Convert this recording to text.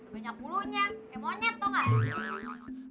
banyak bulunya kayak monyet tuh gak